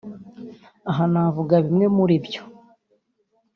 Aha navuga bimwe muribyo